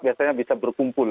biasanya bisa berkumpul